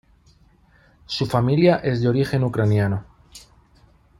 Su familia es de origen ucraniano.